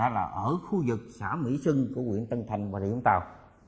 là ở khu vực xã mỹ xuân của nguyễn tân thành và điện vũng tàu